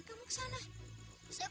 temanku sudah pulang